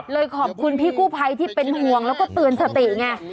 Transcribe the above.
ขอบคุณพี่กู้ภัยที่เป็นห่วงแล้วก็เตือนสติไง